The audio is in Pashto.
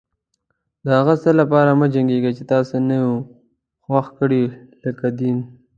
د هغه څه لپاره مه جنګيږئ چې تاسې نه و خوښ کړي لکه دين.